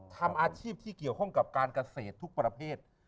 ทำอาชีพที่เกี่ยวข้องกับการเกษตรทุกประเภท